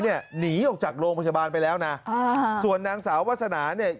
หนีออกจากโรงพยาบาลไปแล้วนะอ่าส่วนนางสาววาสนาเนี่ย